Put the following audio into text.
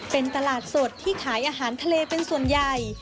เป็นตลาดสดที่ขายอาหารทะเลเป็นส่วนใหญ่